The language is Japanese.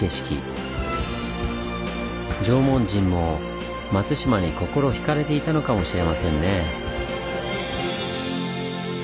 縄文人も松島に心ひかれていたのかもしれませんね。